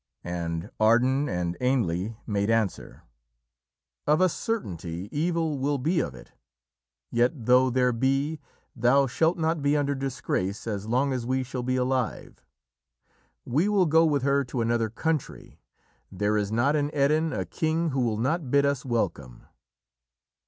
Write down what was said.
And Ardan and Ainle made answer: "Of a certainty, evil will be of it, yet though there be, thou shalt not be under disgrace as long as we shall be alive. We will go with her to another country. There is not in Erin a king who will not bid us welcome."